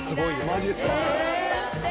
マジですか。